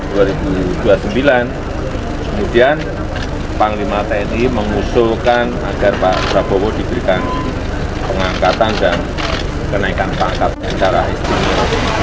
pada tahun seribu sembilan ratus dua puluh sembilan kemudian panglima tni mengusulkan agar pak prabowo diberikan pengangkatan dan kenaikan pangkat secara istimewa